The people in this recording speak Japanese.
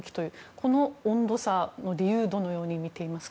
この温度差の理由をどのように見ていますか？